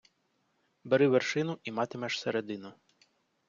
Бери вершину і матимеш середину.